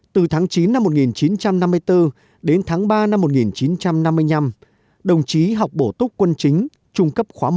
từ tháng chín năm một nghìn chín trăm năm mươi bốn đến tháng ba năm một nghìn chín trăm năm mươi năm đồng chí học bổ túc quân chính trung cấp khóa một